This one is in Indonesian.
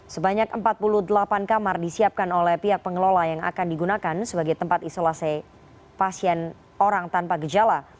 sebanyak empat puluh delapan kamar disiapkan oleh pihak pengelola yang akan digunakan sebagai tempat isolasi pasien orang tanpa gejala